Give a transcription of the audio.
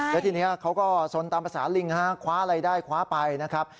แล้วทีนี้เขาก็สนตามภาษาลิงฮะคว้าอะไรได้คว้าไปนะครับ